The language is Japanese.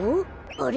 あれ？